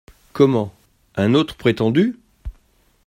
Comment ! un autre prétendu ?…